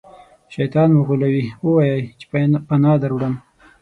شیطان مو غولوي ووایئ چې پناه دروړم.